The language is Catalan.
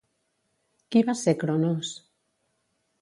Qui va ser Chronos?